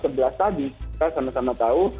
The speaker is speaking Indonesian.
tadi kita sama sama tahu